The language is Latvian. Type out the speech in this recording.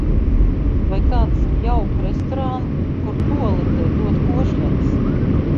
Vai kāds zina jauku restorānu kur, tualetē dod košļenes?